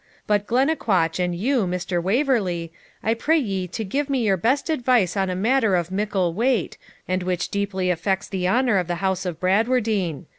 But, Glennaquoich, and you, Mr. Waverley, I pray ye to give me your best advice on a matter of mickle weight, and which deeply affects the honour of the house of Bradwardine.